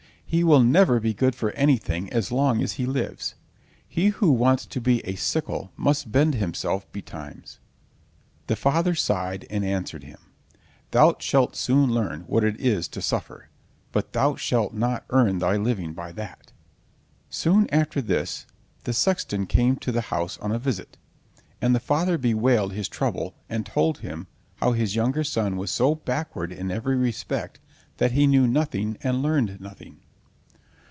He will never be good for anything as long as he lives! He who wants to be a sickle must bend himself betimes." The father sighed, and answered him: "Thou shalt soon learn what it is to suffer, but thou wilt not earn thy living by that." Soon after this the sexton came to the house on a visit, and the father bewailed his trouble, and told him how his younger son was so backward in every respect that he knew nothing and learned nothing.